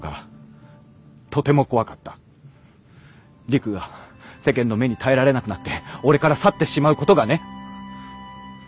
陸が世間の目に耐えられなくなって俺から去ってしまうことがね。